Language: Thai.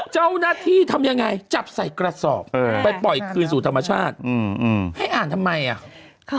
เจ้าหน้าที่ทำยังไงจับใส่กระสอบไปปล่อยคืนสู่ธรรมชาติให้อ่านทำไมอ่ะ